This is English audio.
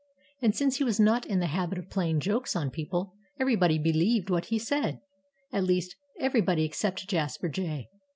And since he was not in the habit of playing jokes on people, everybody believed what he said at least, everybody except Jasper Jay.